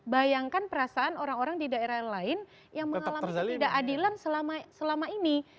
bayangkan perasaan orang orang di daerah lain yang mengalami ketidakadilan selama ini